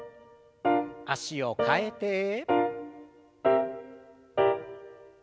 脚を替えて。